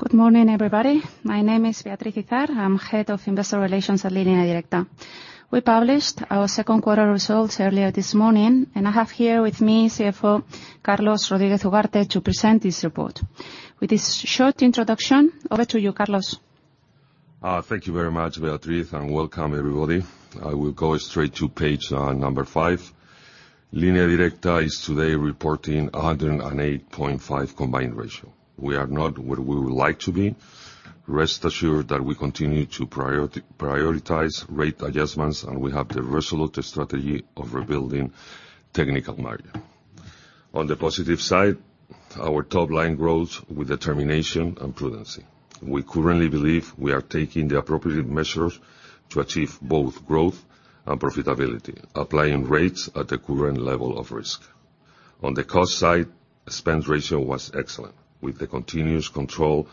Good morning, everybody. My name is Beatriz Izard. I'm Head of Investor Relations at Línea Directa. We published our second quarter results earlier this morning, and I have here with me CFO, Carlos Rodríguez Ugarte, to present this report. With this short introduction, over to you, Carlos. Thank you very much, Beatriz, and welcome, everybody. I will go straight to page number five. Línea Directa is today reporting a 108.5% combined ratio. We are not where we would like to be. Rest assured that we continue to prioritize rate adjustments. We have the resolute strategy of rebuilding technical margin. On the positive side, our top line grows with determination and prudency. We currently believe we are taking the appropriate measures to achieve both growth and profitability, applying rates at the current level of risk. On the cost side, expense ratio was excellent, with the continuous control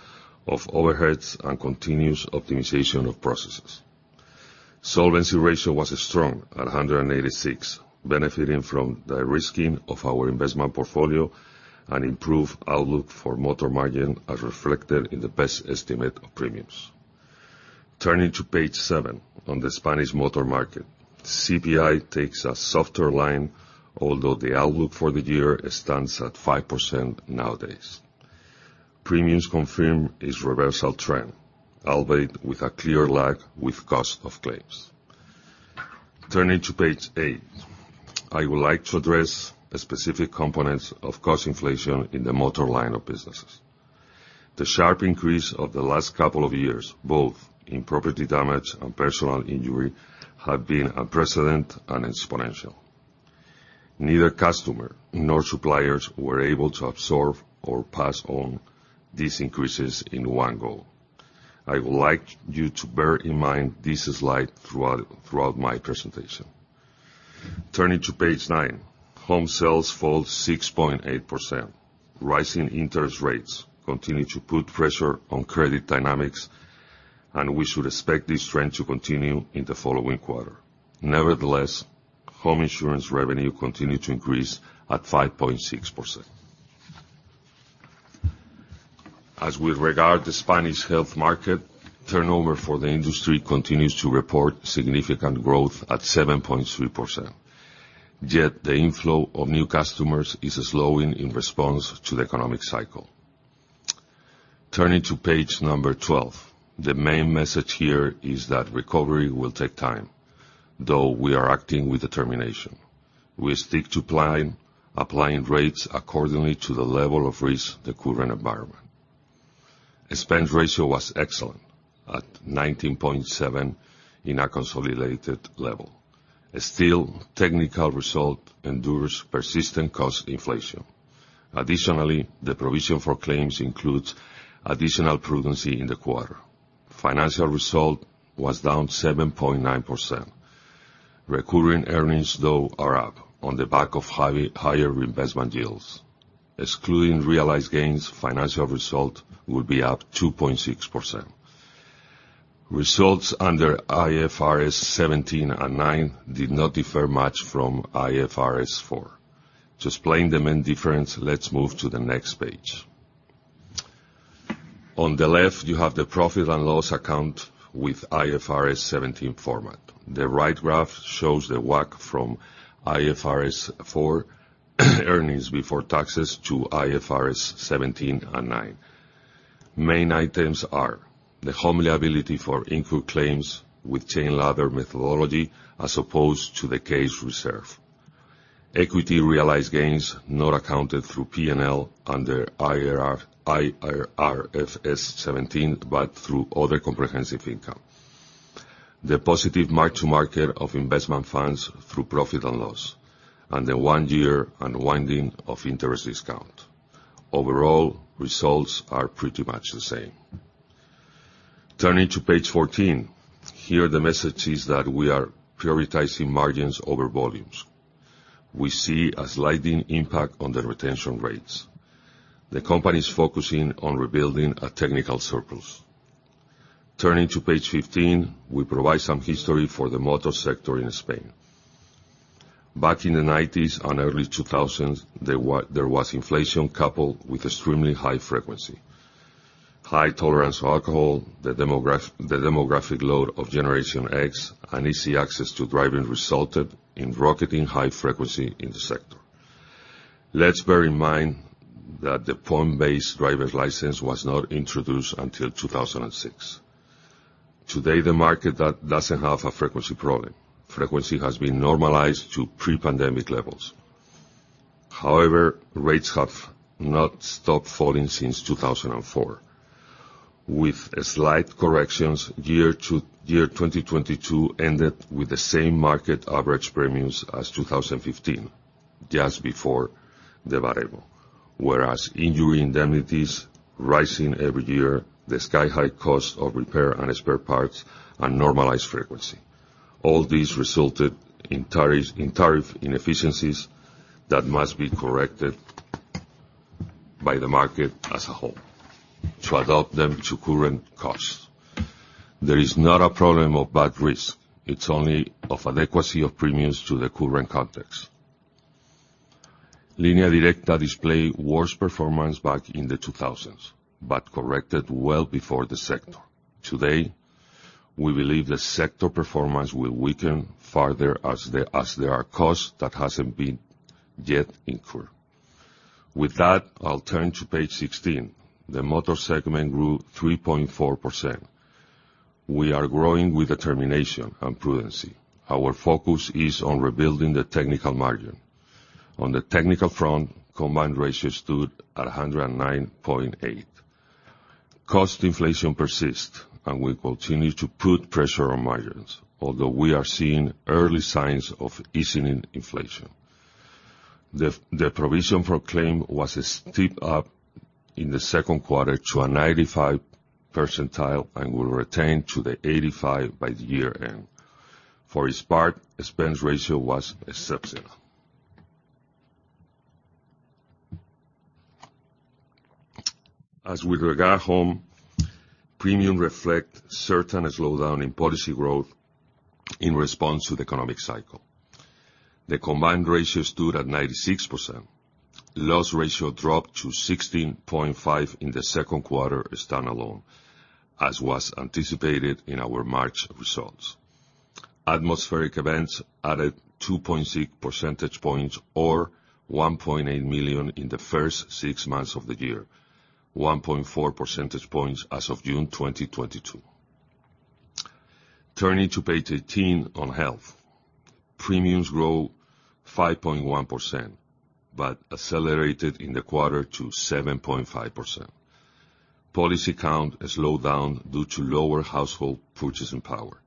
of overheads and continuous optimization of processes. Solvency ratio was strong at 186%, benefiting from the risking of our investment portfolio and improved outlook for motor margin, as reflected in the best estimate of premiums. Turning to page seven, on the Spanish motor market, CPI takes a softer line, although the outlook for the year stands at 5% nowadays. Premiums confirm its reversal trend, albeit with a clear lag with cost of claims. Turning to page eight, I would like to address the specific components of cost inflation in the motor line of businesses. The sharp increase of the last couple of years, both in property damage and personal injury, have been unprecedented and exponential. Neither customer nor suppliers were able to absorb or pass on these increases in one go. I would like you to bear in mind this slide throughout my presentation. Turning to page nine, home sales fall 6.8%. Rising interest rates continue to put pressure on credit dynamics, we should expect this trend to continue in the following quarter. Nevertheless, home insurance revenue continued to increase at 5.6%. As with regard to Spanish health market, turnover for the industry continues to report significant growth at 7.3%. Yet, the inflow of new customers is slowing in response to the economic cycle. Turning to page number 12, the main message here is that recovery will take time, though we are acting with determination. We stick to plan, applying rates accordingly to the level of risk in the current environment. Expense ratio was excellent at 19.7% in a consolidated level. Still, technical result endures persistent cost inflation. Additionally, the provision for claims includes additional prudency in the quarter. Financial result was down 7.9%. Recurring earnings, though, are up on the back of higher investment deals. Excluding realized gains, financial result will be up 2.6%. Results under IFRS 17 and 9 did not differ much from IFRS 4. To explain the main difference, let's move to the next page. On the left, you have the profit and loss account with IFRS 17 format. The right graph shows the work from IFRS 4, earnings before taxes, to IFRS 17 and 9. Main items are the liability for incurred claims with chain ladder methodology, as opposed to the case reserve. Equity realized gains not accounted through PnL under IFRS 17, but through other comprehensive income. The positive mark to market of investment funds through profit and loss, and the one-year unwinding of interest discount. Overall, results are pretty much the same. Turning to page 14, here, the message is that we are prioritizing margins over volumes. We see a sliding impact on the retention rates. The company is focusing on rebuilding a technical surplus. Turning to page 15, we provide some history for the motor sector in Spain. Back in the 90s and early 2000s, there was inflation coupled with extremely high frequency. High tolerance for alcohol, the demographic load of Generation X, and easy access to driving resulted in rocketing high frequency in the sector. Let's bear in mind that the point-based driver's license was not introduced until 2006. Today, the market doesn't have a frequency problem. Frequency has been normalized to pre-pandemic levels. Rates have not stopped falling since 2004. With a slight corrections, year 2022 ended with the same market average premiums as 2015, just before the variable. Injury indemnities rising every year, the sky-high cost of repair and spare parts, and normalized frequency. All these resulted in tariff inefficiencies that must be corrected by the market as a whole to adapt them to current costs. There is not a problem of bad risk, it's only of adequacy of premiums to the current context. Línea Directa display worse performance back in the 2000s, corrected well before the sector. Today, we believe the sector performance will weaken further as there are costs that hasn't been yet incurred. With that, I'll turn to page 16. The motor segment grew 3.4%. We are growing with determination and prudency. Our focus is on rebuilding the technical margin. On the technical front, combined ratio stood at 109.8. Cost inflation persists, we continue to put pressure on margins, although we are seeing early signs of easing in inflation. The provision for claim was a steep up in the second quarter to a 95 percentile and will return to the 85 by the year end. For its part, expense ratio was exceptional. As with regard Home, premium reflect certain slowdown in policy growth in response to the economic cycle. The combined ratio stood at 96%. Loss ratio dropped to 16.5 in the second quarter standalone, as was anticipated in our March results. Atmospheric events added 2.6 percentage points or 1.8 million in the first six months of the year, 1.4 percentage points as of June 2022. Turning to page 18 on Health. Premiums grow 5.1%, accelerated in the quarter to 7.5%. Policy count slowed down due to lower household purchasing power.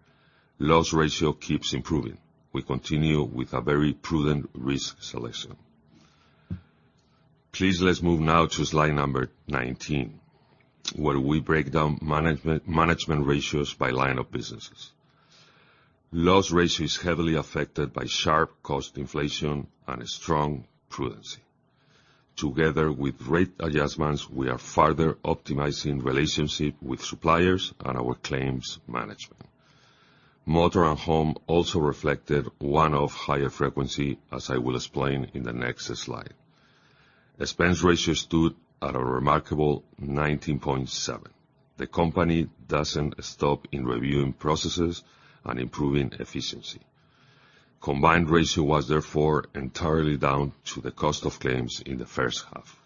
Loss ratio keeps improving. We continue with a very prudent risk selection. Please, let's move now to slide number 19, where we break down management ratios by line of businesses. Loss ratio is heavily affected by sharp cost inflation and strong prudency. Together, with rate adjustments, we are further optimizing relationship with suppliers and our claims management. Motor and Home also reflected one of higher frequency, as I will explain in the next slide. Expense ratio stood at a remarkable 19.7%. The company doesn't stop in reviewing processes and improving efficiency. Combined ratio was therefore entirely down to the cost of claims in the first half.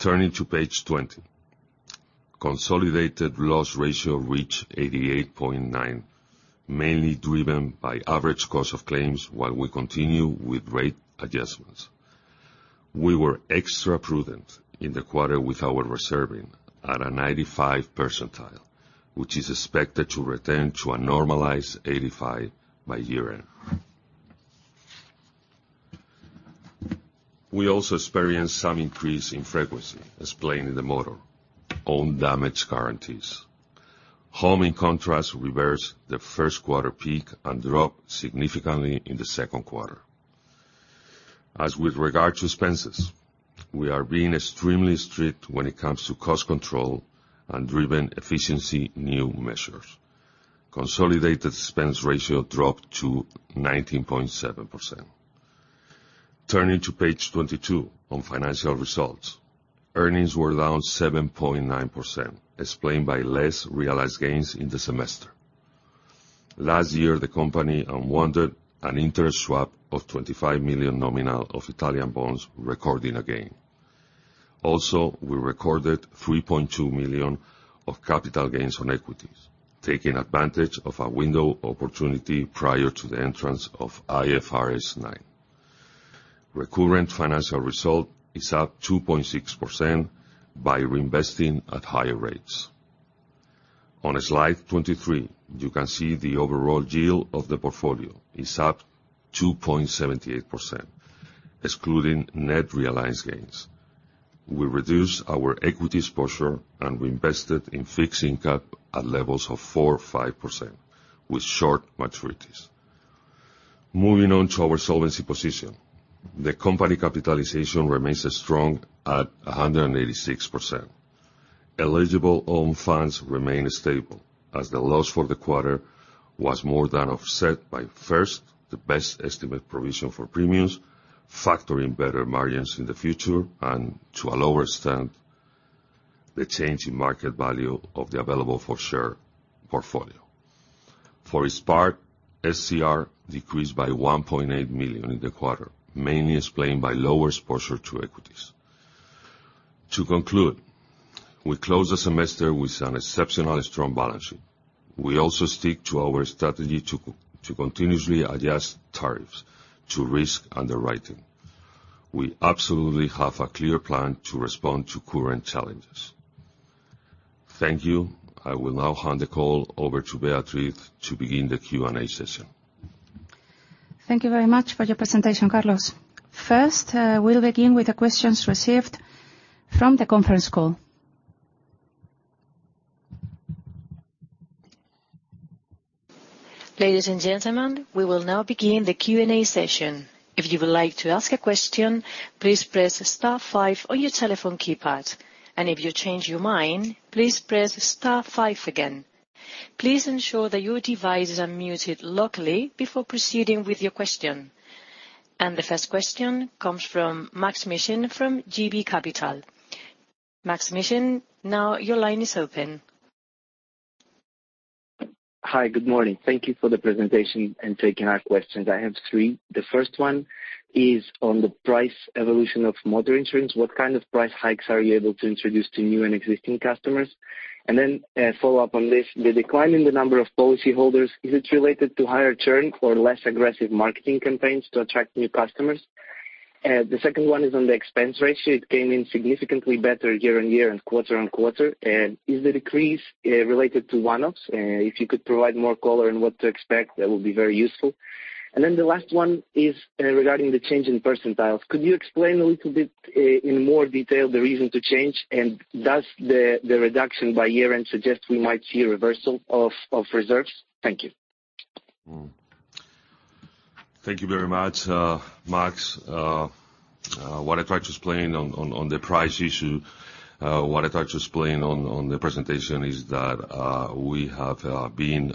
Turning to page 20. Consolidated loss ratio reached 88.9%, mainly driven by average cost of claims while we continue with rate adjustments. We were extra prudent in the quarter with our reserving at a 95th percentile, which is expected to return to a normalized 85 by year-end. We also experienced some increase in frequency, as explained in the model. Own damage guarantees. Home, in contrast, reversed the 1st quarter peak and dropped significantly in the 2nd quarter. With regard to expenses, we are being extremely strict when it comes to cost control and driven efficiency new measures. Consolidated expense ratio dropped to 19.7%. Turning to page 22 on financial results. Earnings were down 7.9%, explained by less realized gains in the semester. Last year, the company unwounded an interest swap of 25 million nominal of Italian bonds, recording a gain. We recorded 3.2 million of capital gains on equities, taking advantage of a window opportunity prior to the entrance of IFRS 9. Recurrent financial result is up 2.6% by reinvesting at higher rates. On slide 23, you can see the overall yield of the portfolio is up 2.78%, excluding net realized gains. We reduced our equities posture and we invested in fixed income at levels of 4% or 5% with short maturities. Moving on to our solvency position. The company capitalization remains strong at 186%. Eligible own funds remain stable, as the loss for the quarter was more than offset by, first, the best estimate provision for premiums, factoring better margins in the future, and to a lower extent, the change in market value of the available for sale portfolio. For its part, SCR decreased by 1.8 million in the quarter, mainly explained by lower exposure to equities. To conclude, we close the semester with an exceptionally strong balance sheet. We also stick to our strategy to continuously adjust tariffs to risk underwriting. We absolutely have a clear plan to respond to current challenges. Thank you. I will now hand the call over to Beatriz to begin the Q&A session. Thank you very much for your presentation, Carlos. First, we'll begin with the questions received from the conference call. Ladies and gentlemen, we will now begin the Q&A session. If you would like to ask a question, please press star five on your telephone keypad, and if you change your mind, please press star five again. Please ensure that your devices are muted locally before proceeding with your question. The first question comes from Maksym Mishyn from JB Capital. Maksym Mishyn, now your line is open. Hi, good morning. Thank Thank you for the presentation and taking our questions. I have three. The first one is on the price evolution of motor insurance. What kind of price hikes are you able to introduce to new and existing customers? Then, follow up on this, the decline in the number of policyholders, is it related to higher churn or less aggressive marketing campaigns to attract new customers? The second one is on the expense ratio. It came in significantly better year-on-year and quarter-on-quarter. Is the decrease related to one-offs? If you could provide more color on what to expect, that would be very useful. Then the last one is regarding the change in percentiles. Could you explain a little bit, in more detail, the reason to change, and does the reduction by year-end suggest we might see a reversal of reserves? Thank you. Thank you very much, Maks. What I tried to explain on the price issue, what I tried to explain on the presentation is that we have been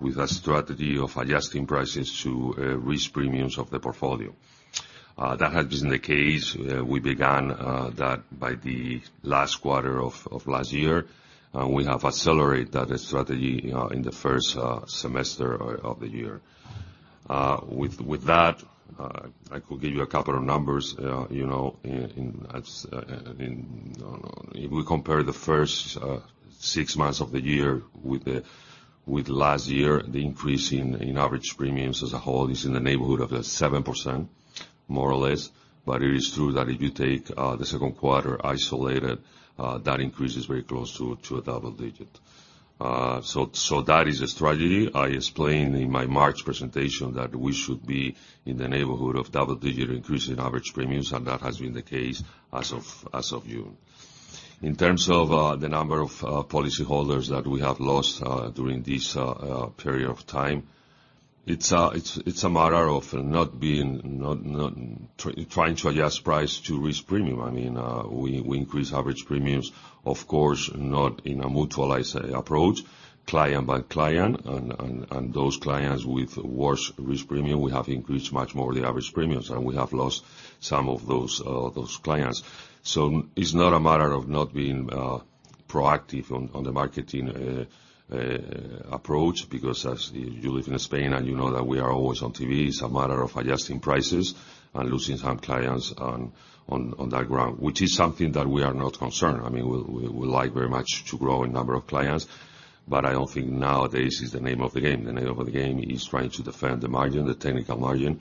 with a strategy of adjusting prices to risk premiums of the portfolio. That has been the case, we began that by the last quarter of last year, and we have accelerated that strategy in the first semester of the year. With that, I could give you a couple of numbers, you know, in, as, in, if we compare the first six months of the year with last year, the increase in average premiums as a whole is in the neighborhood of 7%, more or less. It is true that if you take the second quarter isolated, that increase is very close to a double-digit. That is the strategy. I explained in my March presentation that we should be in the neighborhood of double-digit increase in average premiums, and that has been the case as of June. In terms of the number of policyholders that we have lost during this period of time, it's a matter of not being, trying to adjust price to risk premium. I mean, we increase average premiums, of course, not in a mutualized approach, client by client, and those clients with worse risk premium, we have increased much more the average premiums, and we have lost some of those clients. It's not a matter of not being proactive on the marketing approach, because as you live in Spain and you know that we are always on TV, it's a matter of adjusting prices and losing some clients on that ground, which is something that we are not concerned. I mean, we like very much to grow in number of clients, but I don't think nowadays is the name of the game. The name of the game is trying to defend the margin, the technical margin,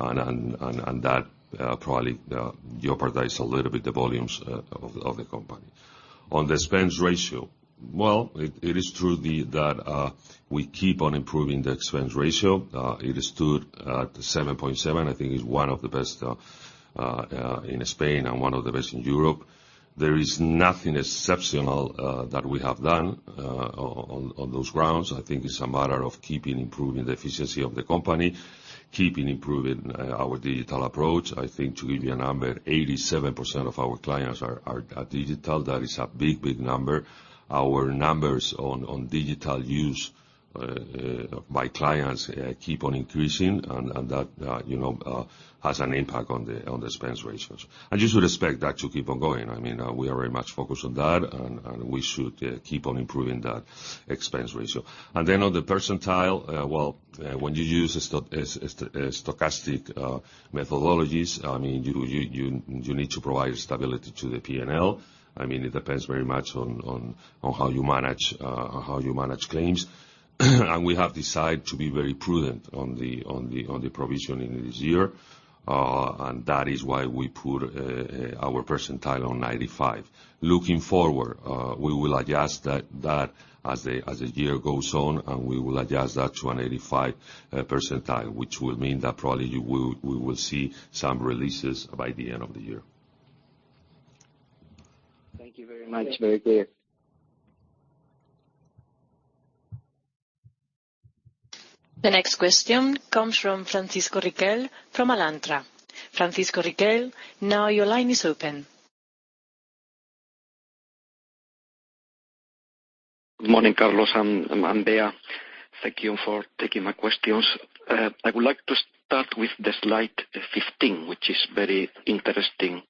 and that probably jeopardize a little bit the volumes of the company. On the expense ratio, well, it is true that we keep on improving the expense ratio. It stood at 7.7%, I think is one of the best in Spain and one of the best in Europe. There is nothing exceptional that we have done on those grounds. I think it's a matter of keeping improving the efficiency of the company, keeping improving our digital approach. I think to give you a number, 87% of our clients are digital. That is a big number. Our numbers on digital use by clients keep on increasing, and that, you know, has an impact on the expense ratios. You should expect that to keep on going. I mean, we are very much focused on that, and we should keep on improving that expense ratio. On the percentile, well, when you use a stochastic methodologies, I mean, you need to provide stability to the PnL. I mean, it depends very much on how you manage, on how you manage claims. We have decided to be very prudent on the provisioning this year. That is why we put our percentile on 95. Looking forward, we will adjust that as the year goes on. We will adjust that to an 85 percentile, which will mean that probably we will see some releases by the end of the year. Thank you very much. Very clear. The next question comes from Francisco Riquel from Alantra. Francisco Riquel, now your line is open. Good morning, Carlos and Bea. Thank you for taking my questions. I would like to start with the slide 15, which is very interesting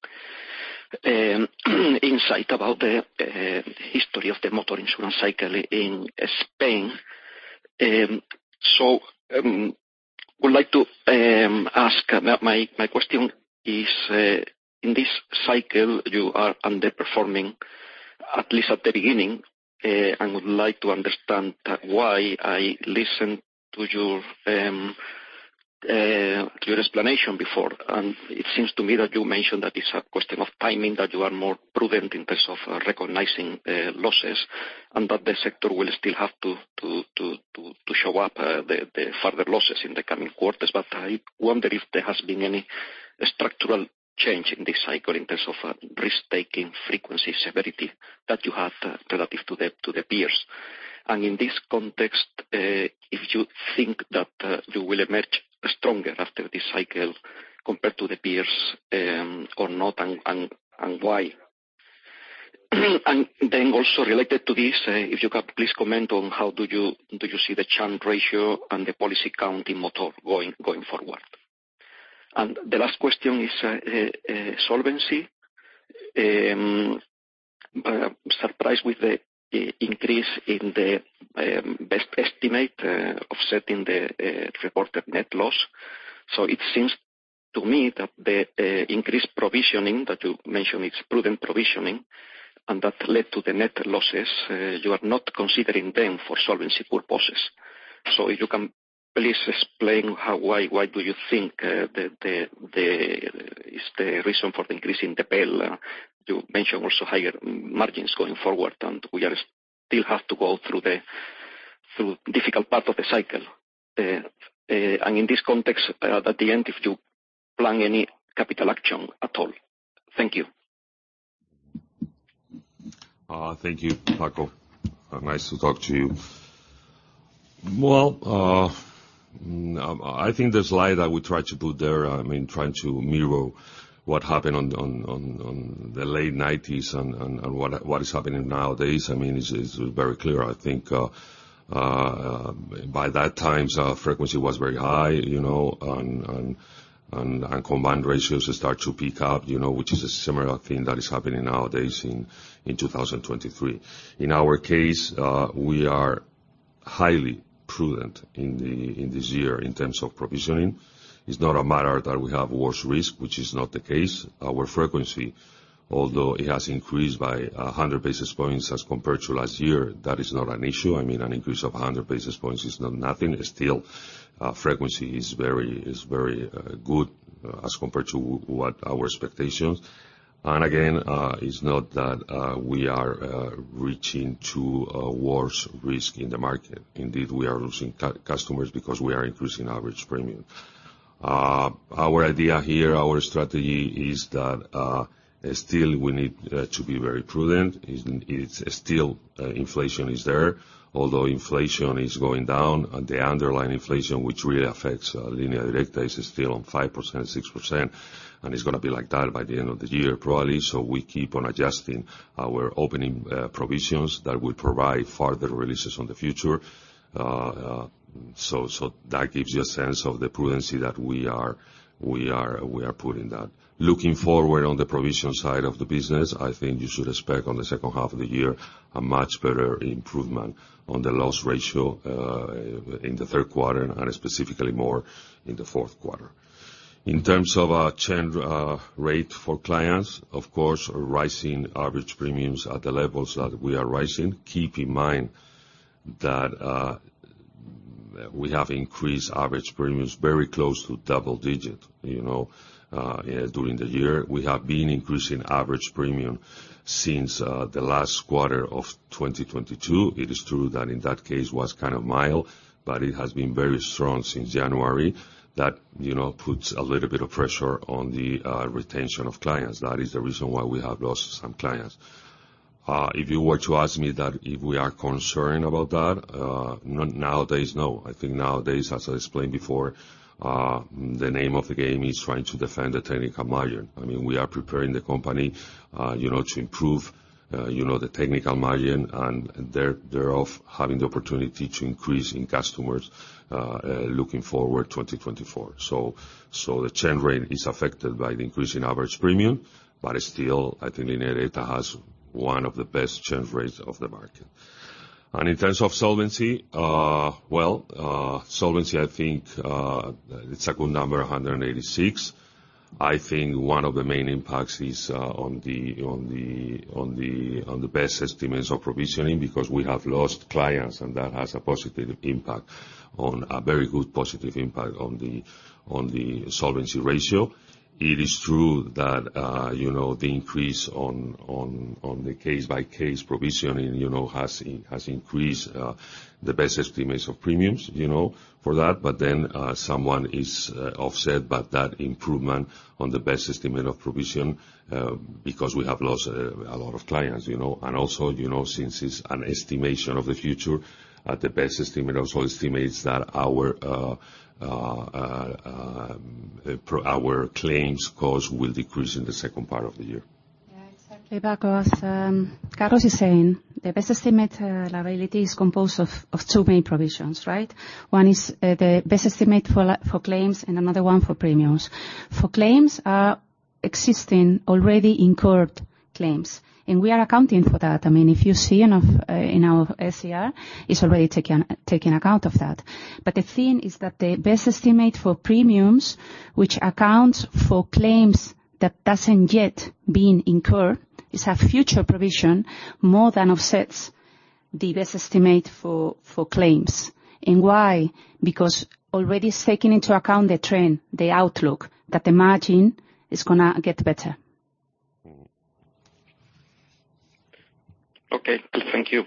insight about the history of the motor insurance cycle in Spain. Would like to ask, my question is, in this cycle, you are underperforming, at least at the beginning, I would like to understand why I listened to your explanation before. It seems to me that you mentioned that it's a question of timing, that you are more prudent in terms of recognizing losses, and that the sector will still have to show up the further losses in the coming quarters. I wonder if there has been any structural change in this cycle in terms of risk-taking, frequency, severity, that you have relative to the peers. In this context, if you think that you will emerge stronger after this cycle compared to the peers, or not, and why? Then also related to this, if you can please comment on how do you see the churn ratio and the policy counting model going forward? The last question is, solvency. Surprised with the increase in the best estimate, offsetting the reported net loss. It seems to me that the increased provisioning that you mentioned, it's prudent provisioning, and that led to the net losses, you are not considering them for solvency purposes. If you can please explain why do you think the is the reason for the increase in the PAL? You mentioned also higher margins going forward, and we are still have to go through difficult part of the cycle. In this context, at the end, if you plan any capital action at all. Thank you. Thank you, Paco. Nice to talk to you. Well, I think the slide that we tried to put there, I mean, trying to mirror what happened on the late 1990s and what is happening nowadays, I mean, is very clear. I think by that time, frequency was very high, you know, and combined ratios start to peak up, you know, which is a similar thing that is happening nowadays in 2023. In our case, we are highly prudent in this year in terms of provisioning. It's not a matter that we have worse risk, which is not the case. Our frequency, although it has increased by 100 basis points as compared to last year, that is not an issue. I mean, an increase of 100 basis points is not nothing. Still, frequency is very, very good as compared to what our expectations. Again, it's not that we are reaching to a worse risk in the market. Indeed, we are losing customers because we are increasing average premium. Our idea here, our strategy is that still we need to be very prudent. It's still inflation is there, although inflation is going down, and the underlying inflation, which really affects Línea Directa, is still on 5%, 6%, and it's gonna be like that by the end of the year, probably. We keep on adjusting our opening provisions that will provide further releases on the future. That gives you a sense of the prudency that we are putting that. Looking forward on the provision side of the business, I think you should expect on the second half of the year, a much better improvement on the loss ratio, in the third quarter, and specifically more in the fourth quarter. In terms of our churn rate for clients, of course, rising average premiums at the levels that we are rising. Keep in mind that we have increased average premiums very close to double-digit, you know. During the year, we have been increasing average premium since the last quarter of 2022. It is true that in that case, was kind of mild, but it has been very strong since January. That, you know, puts a little bit of pressure on the retention of clients. That is the reason why we have lost some clients. If you were to ask me that, if we are concerned about that, not nowadays, no. I think nowadays, as I explained before, the name of the game is trying to defend the technical margin. I mean, we are preparing the company, you know, to improve, you know, the technical margin, and thereof, having the opportunity to increase in customers, looking forward 2024. The churn rate is affected by the increase in average premium, but still, I think Línea Directa has one of the best churn rates of the market. In terms of solvency, well, solvency, I think, the second number, 186. I think one of the main impacts is on the best estimates of provisioning, because we have lost clients, and that has a very good positive impact on the solvency ratio. It is true that, you know, the increase on the case-by-case provisioning, you know, has increased the best estimates of premiums, you know, for that. Someone is offset by that improvement on the best estimate of provision, because we have lost a lot of clients, you know. Also, you know, since it's an estimation of the future, the best estimate also estimates that our claims costs will decrease in the second part of the year. Yeah, exactly, Paco. As Carlos is saying, the best estimate liability is composed of two main provisions, right? One is the best estimate for claims and another one for premiums. For claims, existing, already incurred claims, we are accounting for that. I mean, if you see in our SCR, it's already taking account of that. The thing is that the best estimate for premiums, which accounts for claims that doesn't yet been incurred, is a future provision, more than offsets the best estimate for claims. Why? Because already taking into account the trend, the outlook, that the margin is gonna get better. Mm-hmm. Okay. Thank you.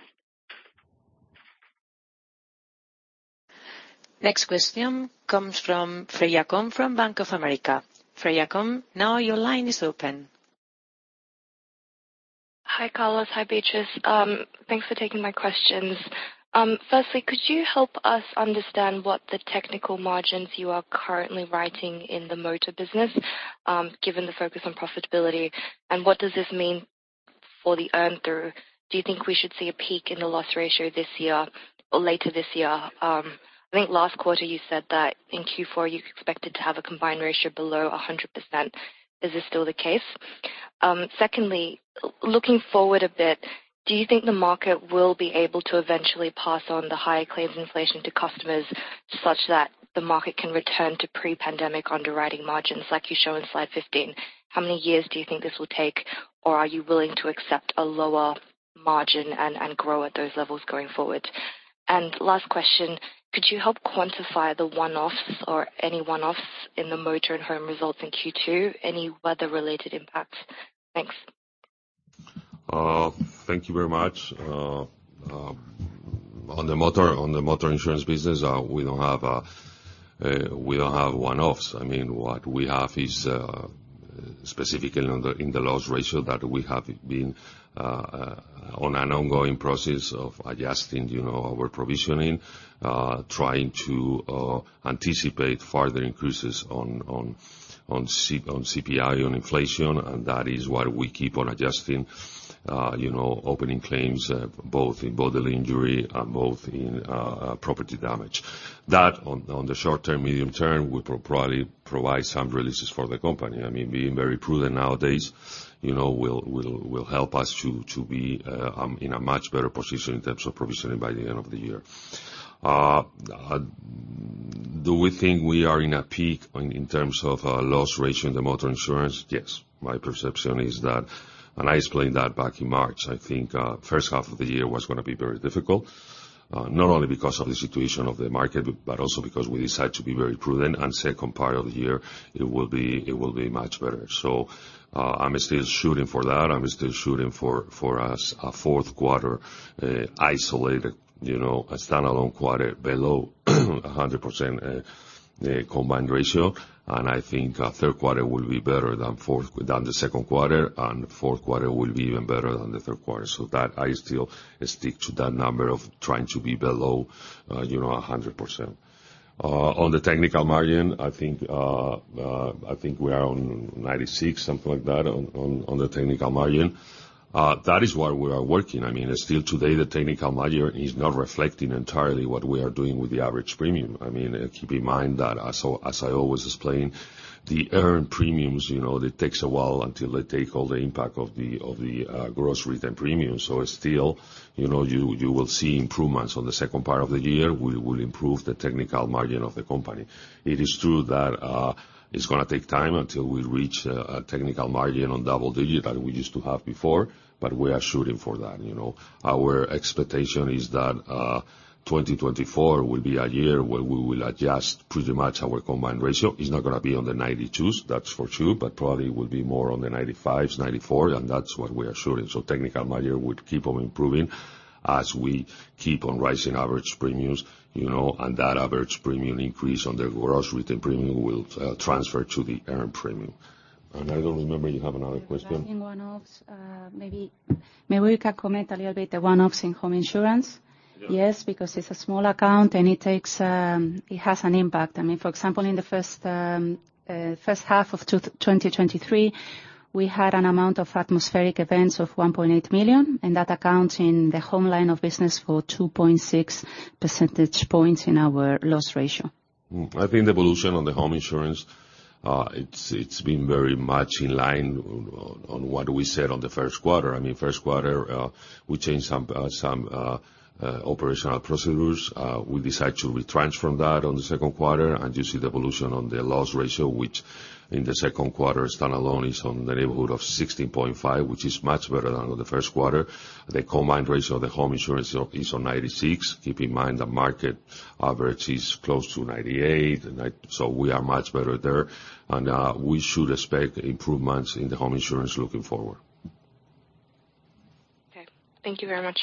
Next question comes from Freya Kong from Bank of America. Freya Kong, now your line is open. Hi, Carlos. Hi, Beatriz. Thanks for taking my questions. Firstly, could you help us understand what the technical margins you are currently writing in the motor business, given the focus on profitability, and what does this mean for the earn through? Do you think we should see a peak in the loss ratio this year or later this year? I think last quarter you said that in Q4, you expected to have a combined ratio below 100%. Is this still the case? Secondly, looking forward a bit, do you think the market will be able to eventually pass on the high claims inflation to customers, such that the market can return to pre-pandemic underwriting margins, like you show in slide 15? How many years do you think this will take, or are you willing to accept a lower margin and grow at those levels going forward? Last question, could you help quantify the one-offs or any one-offs in the motor and home results in Q2, any weather-related impact? Thanks. Thank you very much. On the motor insurance business, we don't have one-offs. I mean, what we have is specifically in the loss ratio, that we have been on an ongoing process of adjusting, you know, our provisioning, trying to anticipate further increases on CPI, on inflation, and that is why we keep on adjusting, you know, opening claims, both in bodily injury and both in property damage. That on the short term, medium term, will probably provide some releases for the company. I mean, being very prudent nowadays, you know, will help us to be in a much better position in terms of provisioning by the end of the year. Do we think we are in a peak on, in terms of loss ratio in the motor insurance? Yes. My perception is that, and I explained that back in March, I think first half of the year was gonna be very difficult, not only because of the situation of the market, but also because we decided to be very prudent, and second part of the year, it will be much better. I'm still shooting for that. I'm still shooting for us, a fourth quarter, isolated, you know, a standalone quarter below 100% combined ratio. I think third quarter will be better than the second quarter, and fourth quarter will be even better than the third quarter. That I still stick to that number of trying to be below, you know, 100%. On the technical margin, I think we are on 96%, something like that, on the technical margin. That is why we are working. I mean, still today, the technical margin is not reflecting entirely what we are doing with the average premium. I mean, keep in mind that as I always explain, the earned premiums, you know, it takes a while until they take all the impact of the gross written premium. Still, you know, you will see improvements on the second part of the year. We will improve the technical margin of the company. It is true that it's gonna take time until we reach a technical margin on double-digit that we used to have before, but we are shooting for that, you know. Our expectation is that 2024 will be a year where we will adjust pretty much our combined ratio. It's not gonna be on the 92%, that's for sure, but probably will be more on the 95%, 94%, and that's what we are shooting. Technical margin would keep on improving as we keep on rising average premiums, you know, and that average premium increase on the gross written premium will transfer to the earned premium. I don't remember, you have another question? In one-offs, maybe we can comment a little bit, the one-offs in home insurance. Yes. Because it's a small account, it takes. It has an impact. For example, in the first half of 2023, we had an amount of atmospheric events of 1.8 million. That accounts in the home line of business for 2.6 percentage points in our loss ratio. I think the evolution on the home insurance, it's been very much in line on what we said on the first quarter. I mean, first quarter, we changed some operational procedures. We decided to retransform that on the second quarter, and you see the evolution on the loss ratio, which in the second quarter, standalone, is on the neighborhood of 16.5%, which is much better than on the first quarter. The combined ratio of the home insurance is on 96%. Keep in mind, the market average is close to 98%. We are much better there, and we should expect improvements in the home insurance looking forward. Okay, thank you very much.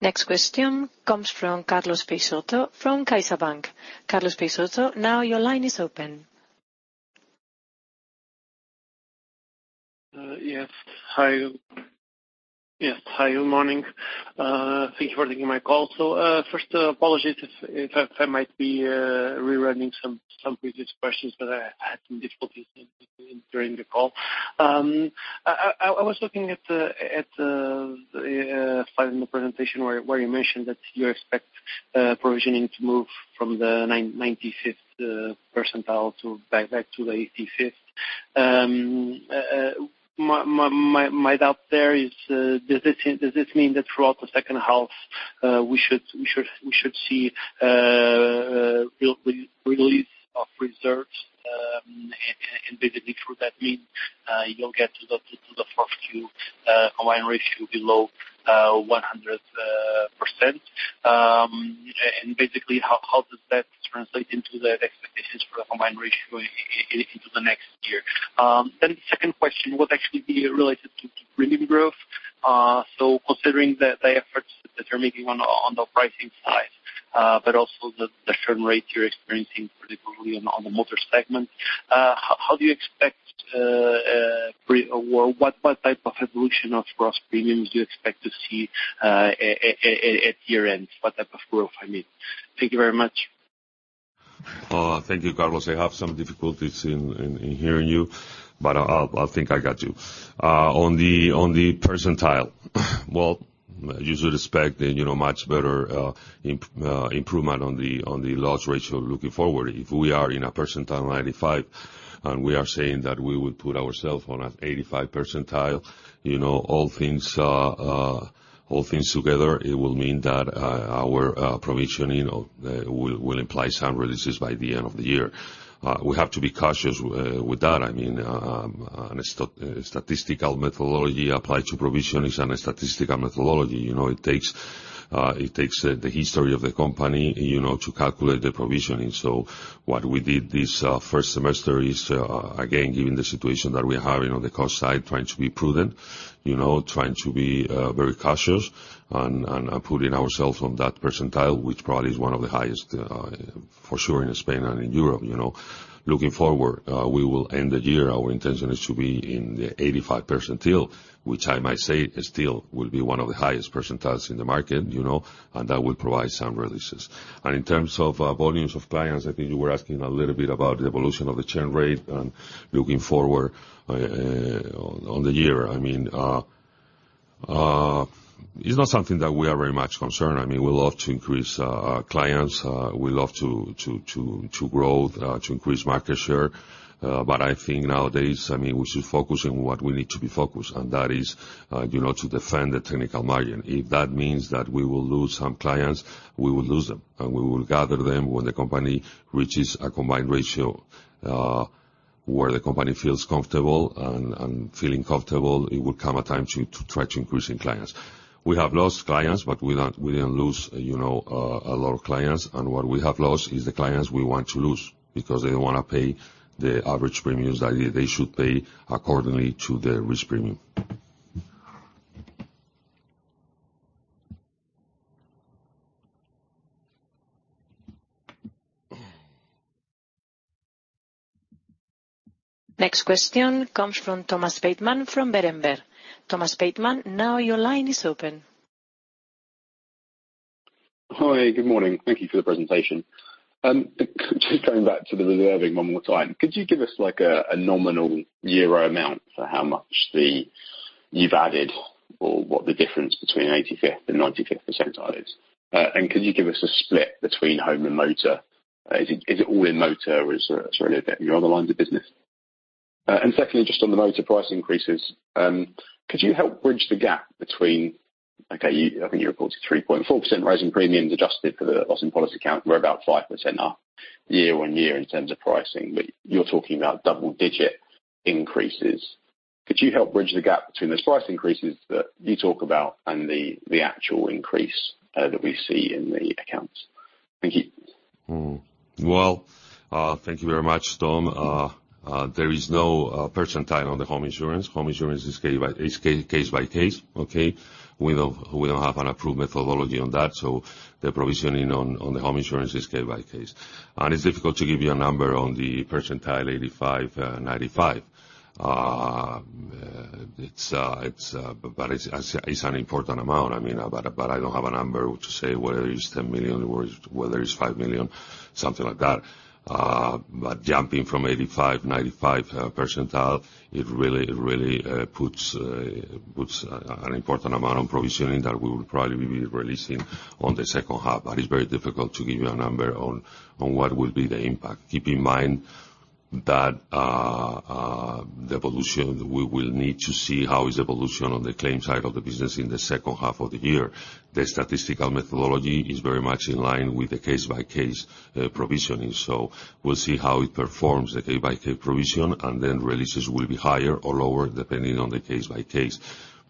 Next question comes from Carlos Peixoto, from CaixaBank. Carlos Peixoto, now your line is open. Yes, hi. Yes, hi, good morning. Thank you for taking my call. First, apologies if I might be rewriting some previous questions, but I had some difficulties hearing the call. I was looking at the slide in the presentation where you mentioned that you expect provisioning to move from the 95th percentile to back to the 85th. My doubt there is, does this mean that throughout the second half, we should see re-release of reserves, and basically could that mean you'll get to the first few combined ratio below 100%? Basically, how does that translate into the expectations for the combined ratio into the next year? The second question would actually be related to premium growth. Considering the efforts that you're making on the pricing side, but also the churn rate you're experiencing, particularly on the motor segment. How do you expect pre or what type of evolution of gross premiums do you expect to see at year-end? What type of growth, I mean. Thank you very much. Thank you, Carlos. I have some difficulties in hearing you, but I'll think I got you. On the percentile, well, you should expect that, you know, much better improvement on the loss ratio looking forward. If we are in a percentile 95, and we are saying that we will put ourself on an 85 percentile, you know, all things together, it will mean that our provisioning of will imply some releases by the end of the year. We have to be cautious with that. I mean, statistical methodology applied to provisioning is an statistical methodology. You know, it takes the history of the company, you know, to calculate the provisioning. What we did this first semester is, again, given the situation that we have on the cost side, trying to be prudent, you know, trying to be very cautious and putting ourselves on that percentile, which probably is one of the highest, for sure, in Spain and in Europe, you know. Looking forward, we will end the year. Our intention is to be in the 85 percentile, which I might say still will be one of the highest percentiles in the market, you know, and that will provide some releases. In terms of volumes of clients, I think you were asking a little bit about the evolution of the churn rate and looking forward on the year. I mean, it's not something that we are very much concerned. I mean, we love to increase our clients, we love to grow, to increase market share. I think nowadays, I mean, we should focus on what we need to be focused, and that is, you know, to defend the technical margin. If that means that we will lose some clients, we will lose them, and we will gather them when the company reaches a combined ratio where the company feels comfortable. Feeling comfortable, it will come a time to try to increasing clients. We have lost clients, but we didn't lose, you know, a lot of clients. What we have lost is the clients we want to lose because they don't wanna pay the average premiums that they should pay accordingly to the risk premium. Next question comes from Thomas Bateman from Berenberg. Thomas Bateman, now your line is open. Hi, good morning. Thank you for the presentation. Just going back to the reserving one more time, could you give us like a nominal EUR amount for how much the, you've added or what the difference between 85th and 95th percentile is? Could you give us a split between home and motor? Is it all in motor, or is it really a bit in your other lines of business? Secondly, just on the motor price increases, could you help bridge the gap between... Okay, you, I think you reported 3.4% rise in premiums adjusted for the loss and policy account were about 5% up, year-on-year in terms of pricing, but you're talking about double-digit increases. Could you help bridge the gap between those price increases that you talk about and the actual increase that we see in the accounts? Thank you. Well, thank you very much, Thomas Bateman. There is no percentile on the home insurance. Home insurance is case by case, okay? We don't have an approved methodology on that, so the provisioning on the home insurance is case by case. It's difficult to give you a number on the percentile 85, 95. It's an important amount. I mean, I don't have a number to say whether it's 10 million or whether it's 5 million, something like that. Jumping from 85, 95 percentile, it really puts an important amount on provisioning that we will probably be releasing on the second half. It's very difficult to give you a number on what will be the impact. Keep in mind that the evolution, we will need to see how is the evolution on the claim side of the business in the second half of the year. The statistical methodology is very much in line with the case-by-case provisioning. We'll see how it performs, the case-by-case provision, and then releases will be higher or lower, depending on the case by case.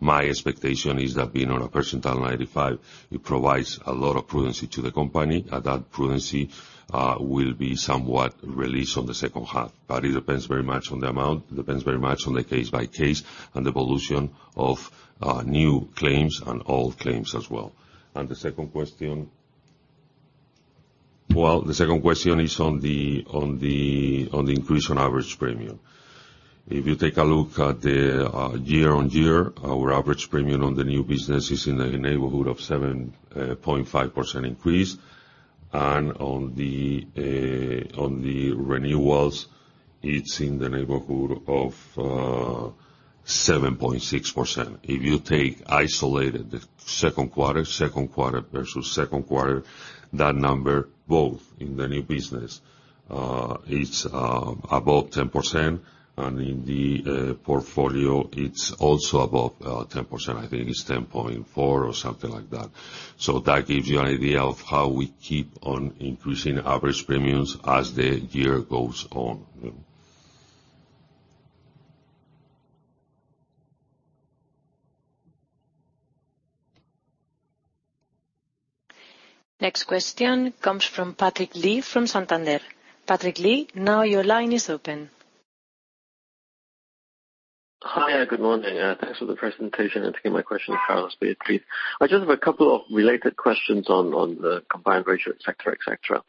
My expectation is that being on a percentile 95, it provides a lot of prudency to the company, and that prudency will be somewhat released on the second half. It depends very much on the amount, it depends very much on the case by case, and the evolution of new claims and old claims as well. The second question? Well, the second question is on the increase on average premium. If you take a look at the year-over-year, our average premium on the new business is in the neighborhood of 7.5% increase, and on the renewals, it's in the neighborhood of 7.6%. If you take isolated, the second quarter, second quarter-over-second quarter, that number, both in the new business, it's above 10%, and in the portfolio, it's also above 10%. I think it's 10.4 or something like that. That gives you an idea of how we keep on increasing average premiums as the year goes on. Next question comes from Patrick Lee, from Santander. Patrick Lee, now your line is open. ... Hi, good morning. Thanks for the presentation. Again, my question is, Carlos, Beatriz. I just have a couple of related questions on the combined ratio, et cetera, et cetera.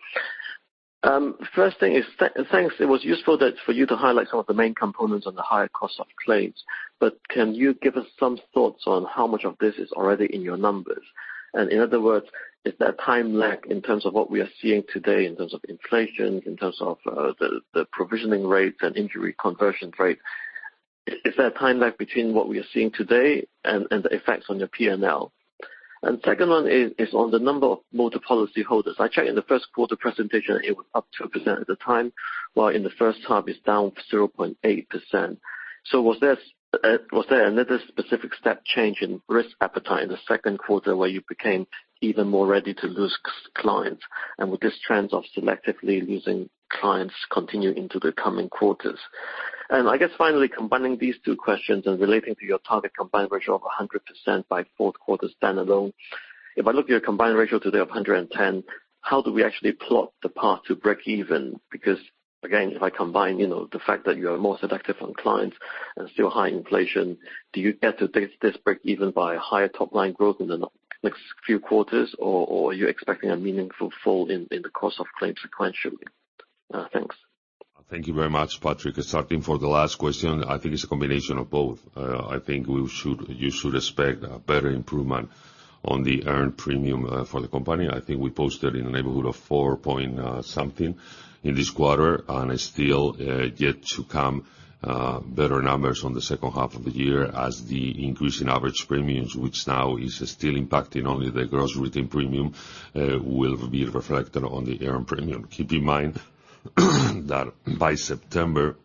First thing is thanks, it was useful that for you to highlight some of the main components on the higher cost of claims. Can you give us some thoughts on how much of this is already in your numbers? In other words, is there a time lag in terms of what we are seeing today, in terms of inflation, in terms of the provisioning rates and injury conversion rate? Is there a time lag between what we are seeing today and the effects on your PnL? Second one is on the number of motor policyholders. I checked in the first quarter presentation, it was up 2% at the time, while in the first half, it's down 0.8%. Was this, was there another specific step change in risk appetite in the second quarter, where you became even more ready to lose clients? Will this trend of selectively losing clients continue into the coming quarters? I guess finally, combining these two questions and relating to your target combined ratio of 100% by fourth quarter stand-alone, if I look at your combined ratio today of 110, how do we actually plot the path to break even? Again, if I combine, you know, the fact that you are more selective on clients and still high inflation, do you get to this break even by higher top line growth in the next few quarters, or are you expecting a meaningful fall in the cost of claims sequentially? Thanks. Thank you very much, Patrick. Starting for the last question, I think it's a combination of both. I think you should expect a better improvement on the earned premium for the company. I think we posted in the neighborhood of 4 point something in this quarter, and still yet to come better numbers on the second half of the year as the increase in average premiums, which now is still impacting only the gross written premium, will be reflected on the earned premium. Keep in mind, that by September,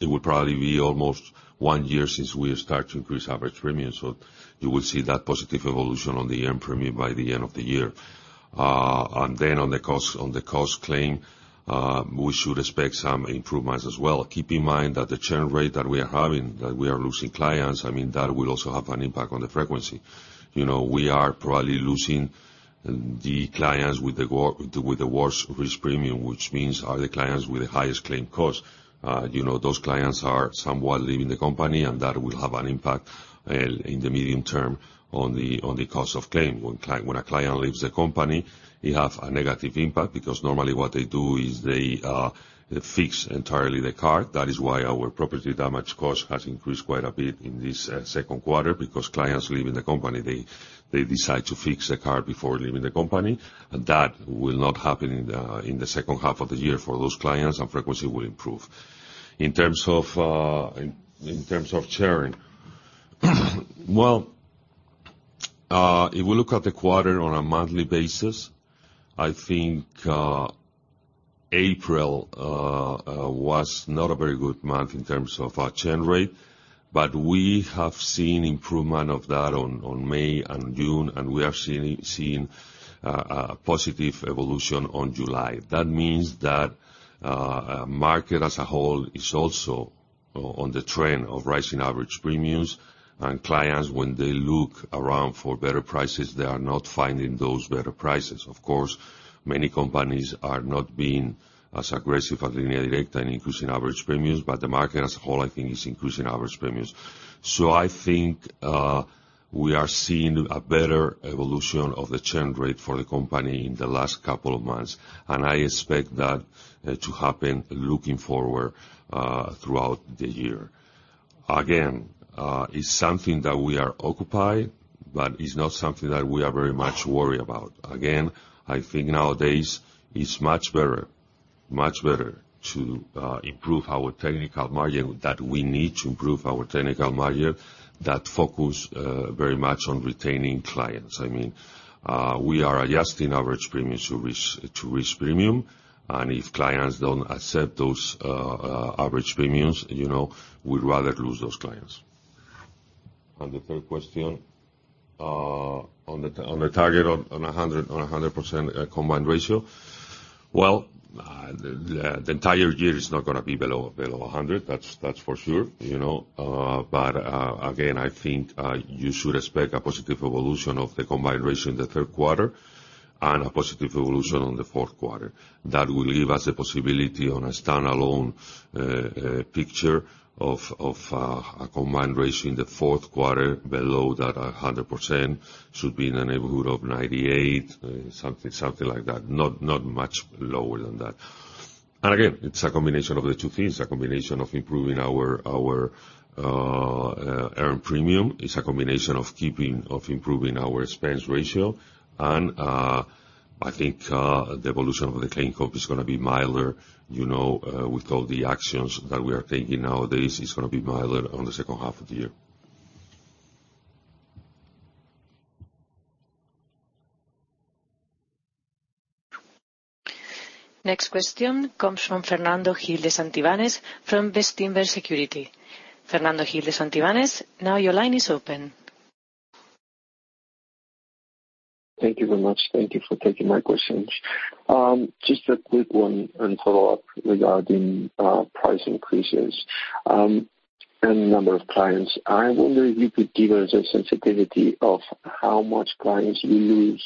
it will probably be almost 1 year since we start to increase average premiums, so you will see that positive evolution on the earned premium by the end of the year. Then on the cost, on the cost claim, we should expect some improvements as well. Keep in mind that the churn rate that we are having, that we are losing clients, I mean, that will also have an impact on the frequency. You know, we are probably losing the clients with the worst risk premium, which means are the clients with the highest claim cost. You know, those clients are somewhat leaving the company, and that will have an impact in the medium term on the cost of claim. When a client leaves the company, it have a negative impact because normally what they do is they fix entirely the car. That is why our property damage cost has increased quite a bit in this second quarter, because clients leaving the company, they decide to fix the car before leaving the company, and that will not happen in the second half of the year for those clients, and frequency will improve. In terms of in terms of churn, well, if we look at the quarter on a monthly basis, I think April was not a very good month in terms of our churn rate, but we have seen improvement of that on May and June, and we are seeing a positive evolution on July. That means that market as a whole is also on the trend of rising average premiums, and clients, when they look around for better prices, they are not finding those better prices. Of course, many companies are not being as aggressive as Direct in increasing average premiums, but the market as a whole, I think, is increasing average premiums. I think we are seeing a better evolution of the churn rate for the company in the last couple of months, and I expect that to happen looking forward throughout the year. It's something that we are occupied, but it's not something that we are very much worried about. I think nowadays it's much better to improve our technical margin, that we need to improve our technical margin, that focus very much on retaining clients. We are adjusting average premiums to risk, to risk premium, and if clients don't accept those average premiums, you know, we'd rather lose those clients. The third question, on the target on a 100% combined ratio. Well, the entire year is not gonna be below 100. That's for sure, you know. Again, I think you should expect a positive evolution of the combined ratio in the third quarter and a positive evolution on the fourth quarter. That will give us a possibility on a standalone picture of a combined ratio in the fourth quarter below that 100%. Should be in the neighborhood of 98, something like that, not much lower than that. Again, it's a combination of the two things. It's a combination of improving our earned premium. It's a combination of improving our expense ratio. I think, the evolution of the claim cost is gonna be milder, you know, with all the actions that we are taking nowadays, it's gonna be milder on the second half of the year. Next question comes from Fernando Gil de Santivañes, from Bestinver Securities. Fernando Gil de Santivañes, now your line is open. Thank you very much. Thank you for taking my questions. Just a quick one and follow-up regarding price increases and number of clients. I wonder if you could give us a sensitivity of how much clients you lose,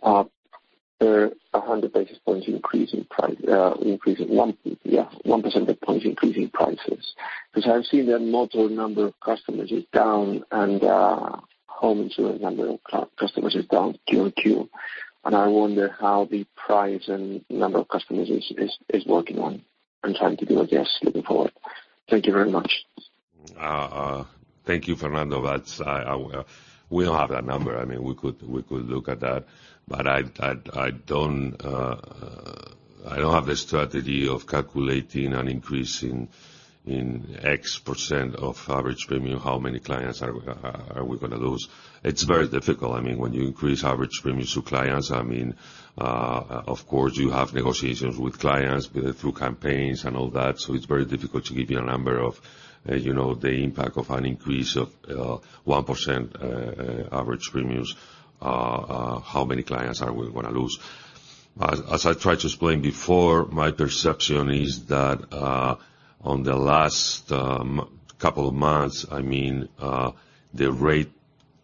100 basis points increase in price, increase in 1 percentage points increase in prices? Because I've seen the motor number of customers is down, and home insurance number of customers is down Q on Q. I wonder how the price and number of customers is working on and trying to be, I guess, looking forward. Thank you very much. Thank you, Fernando. That's, we don't have that number. I mean, we could look at that, but I don't, I don't have the strategy of calculating and increasing in X% of average premium, how many clients are we gonna lose? It's very difficult. I mean, when you increase average premiums to clients, I mean, of course, you have negotiations with clients, be it through campaigns and all that. It's very difficult to give you a number of, you know, the impact of an increase of 1%, average premiums, how many clients are we gonna lose. As I tried to explain before, my perception is that, on the last couple of months, I mean, the rate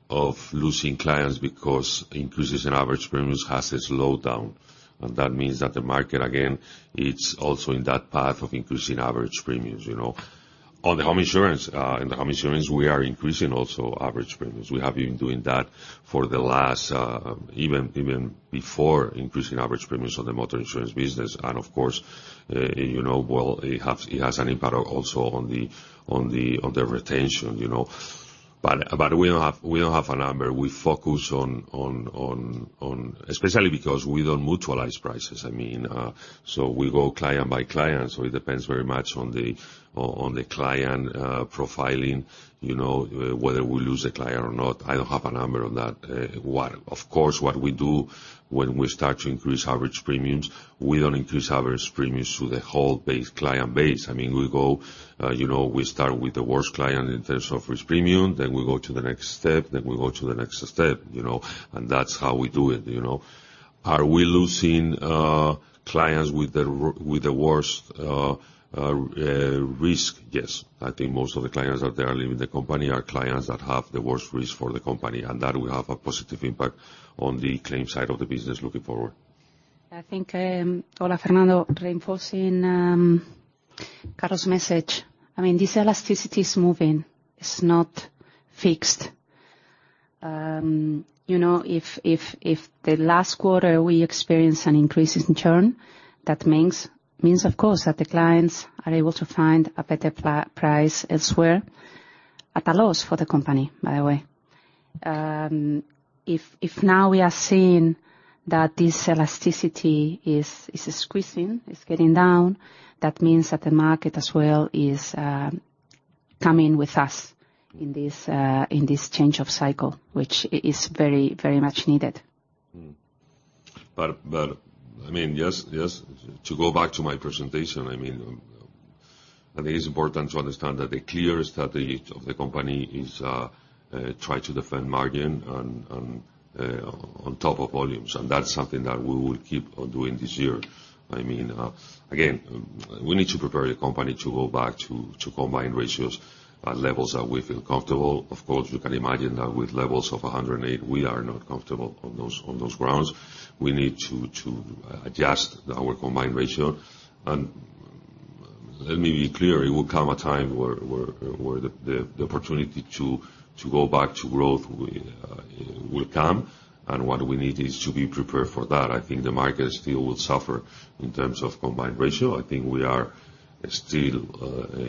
of losing clients because increases in average premiums has slowed down. That means that the market, again, it's also in that path of increasing average premiums, you know. On the home insurance, in the home insurance, we are increasing also average premiums. We have been doing that for the last, even before increasing average premiums on the motor insurance business. Of course, you know, well, it has an impact also on the retention, you know. We don't have a number. We focus on... Especially because we don't mutualize prices, I mean, so we go client by client. It depends very much on the client profiling, you know, whether we lose a client or not. I don't have a number on that. Of course, what we do when we start to increase average premiums, we don't increase average premiums to the whole base, client base. I mean, we go, you know, we start with the worst client in terms of risk premium, then we go to the next step, then we go to the next step, you know, and that's how we do it, you know. Are we losing clients with the worst risk? Yes. I think most of the clients that are leaving the company are clients that have the worst risk for the company, and that will have a positive impact on the claim side of the business looking forward. I think, hola, Fernando, reinforcing Carlo's message. I mean, this elasticity is moving. It's not fixed. You know, if, if the last quarter we experienced an increase in churn, that means of course, that the clients are able to find a better price elsewhere, at a loss for the company, by the way. If, if now we are seeing that this elasticity is squeezing, it's getting down, that means that the market as well is coming with us in this change of cycle, which is very much needed. I mean, yes. To go back to my presentation, I mean, I think it's important to understand that the clear strategy of the company is try to defend margin on top of volumes, that's something that we will keep on doing this year. I mean, again, we need to prepare the company to go back to combined ratios at levels that we feel comfortable. Of course, you can imagine that with levels of 108, we are not comfortable on those grounds. We need to adjust our combined ratio. Let me be clear, it will come a time where the opportunity to go back to growth will come, and what we need is to be prepared for that. I think the market still will suffer in terms of combined ratio. I think we are still,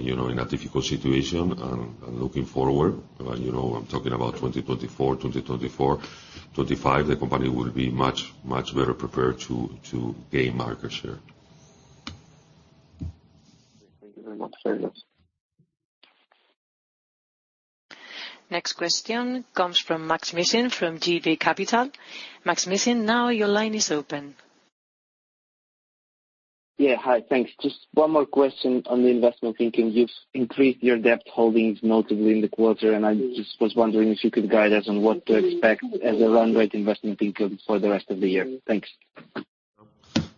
you know, in a difficult situation, and looking forward, you know, I'm talking about 2024. 2024, 2025, the company will be much better prepared to gain market share. Thank you very much. Next question comes from Maksym Mishyn from JB Capital. Maksym Mishyn, now your line is open. Yeah. Hi, thanks. Just one more question on the investment income. You've increased your debt holdings notably in the quarter. I just was wondering if you could guide us on what to expect as a run rate investment income for the rest of the year. Thanks.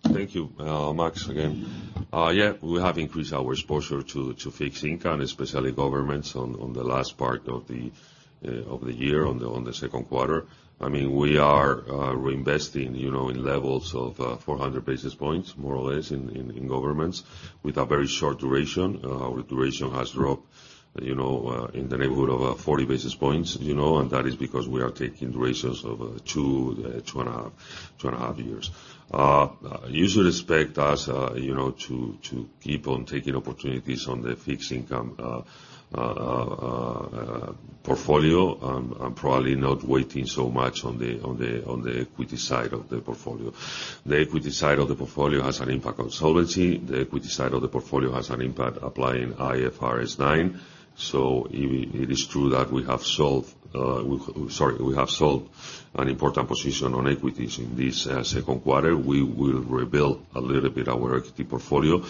Thank you, Max, again. Yeah, we have increased our exposure to fixed income, especially governments, on the last part of the year, on the second quarter. I mean, we are reinvesting, you know, in levels of 400 basis points, more or less, in governments with a very short duration. Our duration has dropped, you know, in the neighborhood of 40 basis points, you know, and that is because we are taking durations of 2 and a half years. You should expect us, you know, to keep on taking opportunities on the fixed income portfolio, and probably not waiting so much on the equity side of the portfolio. The equity side of the portfolio has an impact on solvency. The equity side of the portfolio has an impact applying IFRS 9. It is true that we have solved an important position on equities in this second quarter. We will rebuild a little bit our equity portfolio.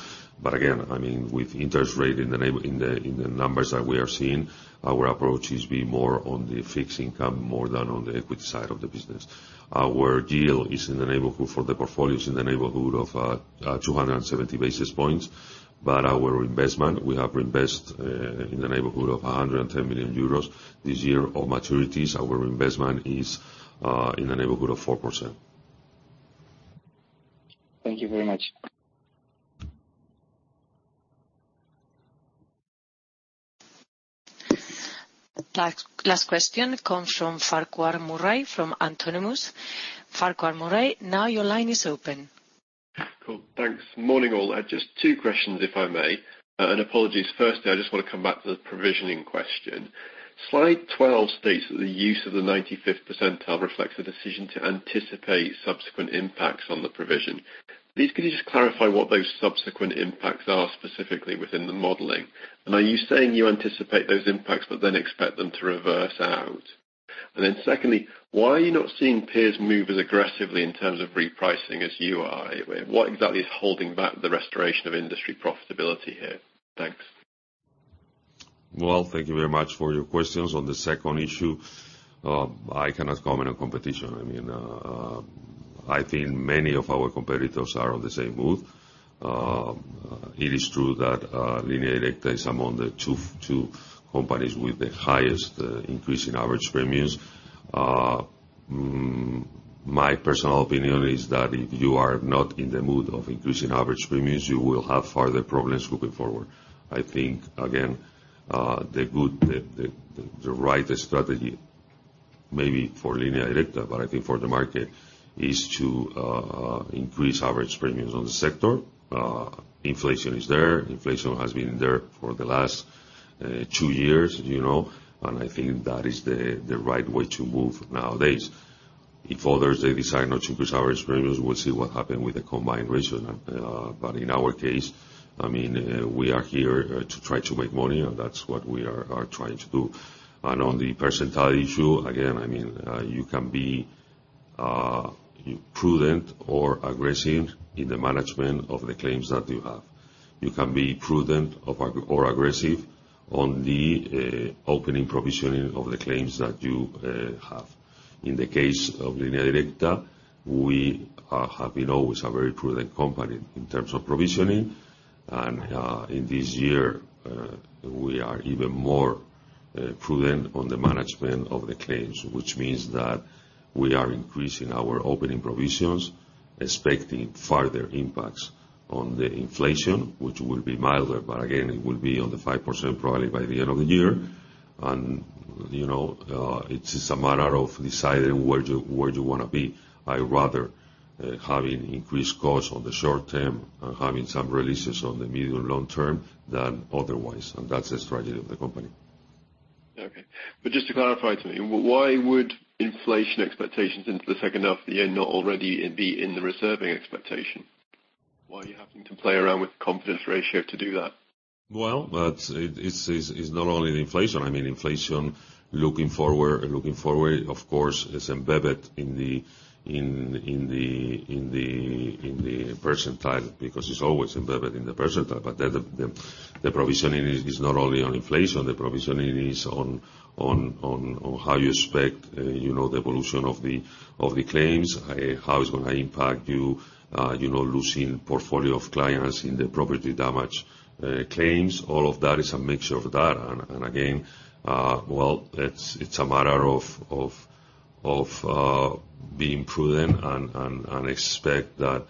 Again, I mean, with interest rate in the numbers that we are seeing, our approach is be more on the fixed income, more than on the equity side of the business. Our yield is in the neighborhood, for the portfolios, in the neighborhood of 270 basis points, but our investment, we have reinvested in the neighborhood of 110 million euros this year on maturities. Our investment is in the neighborhood of 4%. Thank you very much.... Last question comes from Farquhar Murray, from Autonomous Research. Farquhar Murray, now your line is open. Cool. Thanks. Morning, all. I have just two questions, if I may, and apologies. Firstly, I just want to come back to the provisioning question. Slide 12 states that the use of the 95th percentile reflects a decision to anticipate subsequent impacts on the provision. Please, could you just clarify what those subsequent impacts are specifically within the modeling? Are you saying you anticipate those impacts, but then expect them to reverse out? Secondly, why are you not seeing peers move as aggressively in terms of repricing as you are? What exactly is holding back the restoration of industry profitability here? Thanks. Well, thank you very much for your questions. On the second issue, I cannot comment on competition. I mean, I think many of our competitors are on the same mood. It is true that Línea Directa is among the two companies with the highest increase in average premiums. My personal opinion is that if you are not in the mood of increasing average premiums, you will have further problems looking forward. I think, again, the right strategy, maybe for Línea Directa, but I think for the market, is to increase average premiums on the sector. Inflation is there. Inflation has been there for the last two years, you know, I think that is the right way to move nowadays. If others, they decide not to increase our experience, we'll see what happen with the combined ratio. In our case, I mean, we are here to try to make money, and that's what we are trying to do. On the percentile issue, again, I mean, you can be prudent or aggressive in the management of the claims that you have. You can be prudent of or aggressive on the opening provisioning of the claims that you have. In the case of Línea Directa, we have been always a very prudent company in terms of provisioning, in this year, we are even more prudent on the management of the claims. Which means that we are increasing our opening provisions, expecting further impacts on the inflation, which will be milder, but again, it will be on the 5%, probably by the end of the year. You know, it's just a matter of deciding where you, where you wanna be. I rather having increased cost on the short term and having some releases on the medium, long term than otherwise, and that's the strategy of the company. Okay. Just to clarify to me, why would inflation expectations into the second half of the year not already be in the reserving expectation? Why are you having to play around with confidence ratio to do that? Well, that's. It's not only the inflation. I mean, inflation, looking forward, of course, is embedded in the percentile, because it's always embedded in the percentile. The provisioning is not only on inflation, the provisioning is on how you expect, you know, the evolution of the claims. How it's gonna impact you know, losing portfolio of clients in the property damage claims. All of that is a mixture of that. Again, well, it's a matter of being prudent and expect that,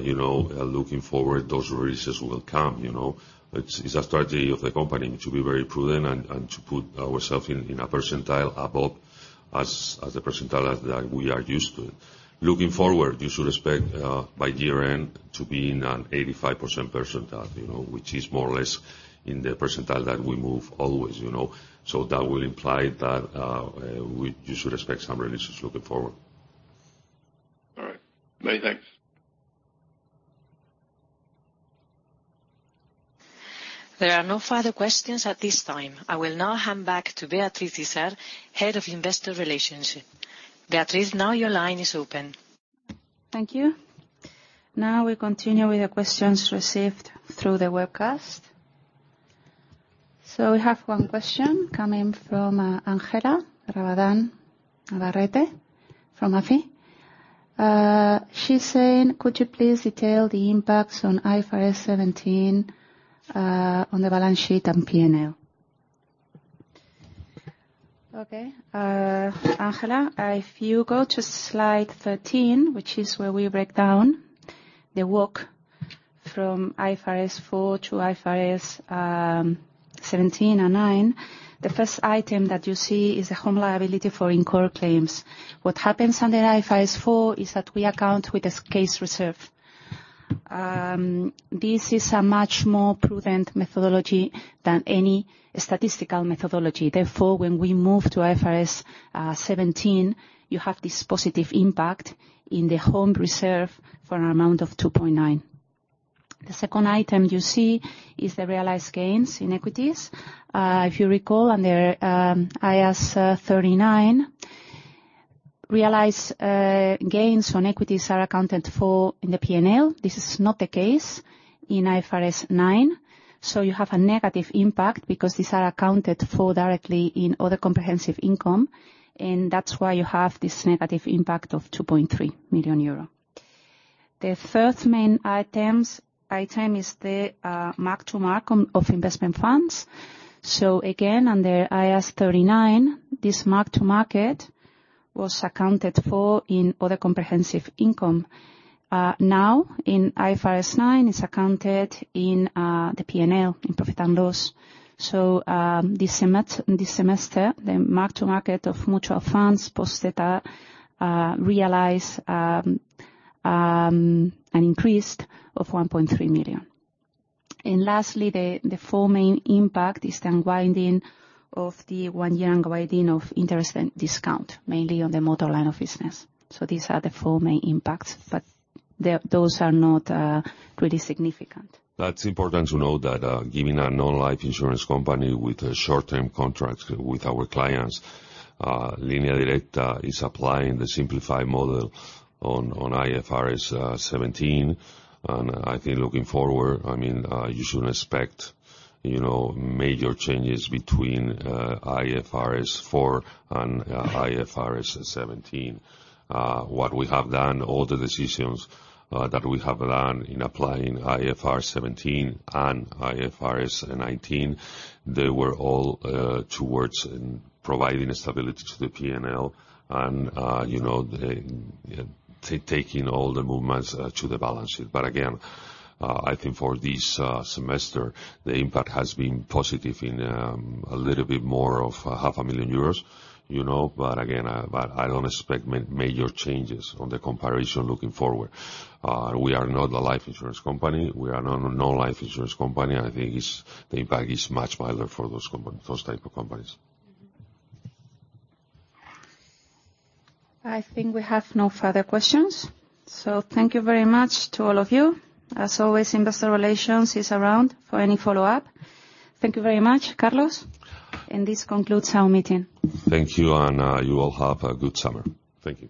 you know, looking forward, those releases will come, you know? It's a strategy of the company to be very prudent and to put ourselves in a percentile above us, as a percentile as that we are used to. Looking forward, you should expect by year-end to be in an 85% percentile, you know, which is more or less in the percentile that we move always, you know. That will imply that you should expect some releases looking forward. All right. Many thanks. There are no further questions at this time. I will now hand back to Beatriz Izard, Head of Investor Relations. Beatriz, now your line is open. Thank you. We continue with the questions received through the webcast. We have one question coming from Ángela Rabadán Navarrete, from Afi. She's saying, "Could you please detail the impacts on IFRS 17 on the balance sheet and PnL?" Okay. Angela, if you go to slide 13, which is where we break down the work from IFRS 4 to IFRS 17 and 9, the first item that you see is the home liability for incurred claims. What happens under IFRS 4 is that we account with a case reserve. This is a much more prudent methodology than any statistical methodology. Therefore, when we move to IFRS 17, you have this positive impact in the home reserve for an amount of 2.9. The second item you see is the realized gains in equities. If you recall, under IAS 39, realized gains on equities are accounted for in the PnL. This is not the case in IFRS 9. You have a negative impact because these are accounted for directly in other comprehensive income. That's why you have this negative impact of 2.3 million euro. The third main item is the mark to market of investment funds. Again, under IAS 39, this mark to market was accounted for in other comprehensive income. Now in IFRS 9 is accounted in the PnL, in profit and loss. This semester, the mark to market of mutual funds post data realize an increase of 1.3 million. Lastly, the four main impact is the unwinding of the one-year unwinding of interest and discount, mainly on the motor line of business. These are the four main impacts, but those are not pretty significant. That's important to know that, giving a non-life insurance company with a short-term contract with our clients, Línea Directa is applying the simplified model on IFRS 17. I think looking forward, I mean, you shouldn't expect, you know, major changes between IFRS 4 and IFRS 17. What we have done, all the decisions that we have learned in applying IFRS 17 and IFRS 9, they were all towards providing stability to the PnL and, you know, taking all the movements to the balance sheet. Again, I think for this semester, the impact has been positive in a little bit more of a half a million EUR, you know. Again, I don't expect major changes on the comparison looking forward. We are not a life insurance company. We are a non-life insurance company. I think it's the impact is much milder for those type of companies. I think we have no further questions, so thank you very much to all of you. As always, Investor Relations is around for any follow-up. Thank you very much, Carlos, and this concludes our meeting. Thank you. You all have a good summer. Thank you.